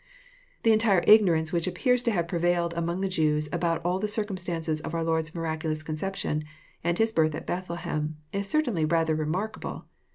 The entire ignorance which appears to have prevailed among the Jews, about all the circumstances of our Lord's miraculous conception, and His birth at Bethlehem, is certainly rather re markable.